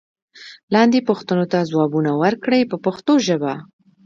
لاندې پوښتنو ته ځوابونه ورکړئ په پښتو ژبه.